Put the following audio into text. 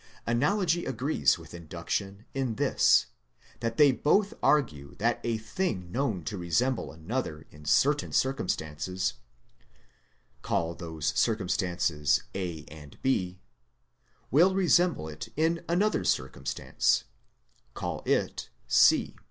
Analogy agrees with induction in this, that they both argue that a thing known to resemble another in certain circumstances (call those circumstances A and B) will resemble it in another circumstance (call it C).